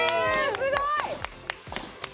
すごい！